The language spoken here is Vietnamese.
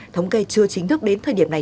thống kê chưa chính thức đến thời điểm này